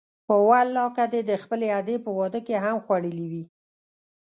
په والله که دې د خپلې ادې په واده کې هم خوړلي وي.